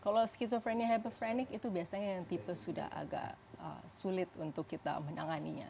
kalau skizophrenia heperinik itu biasanya yang tipe sudah agak sulit untuk kita menanganinya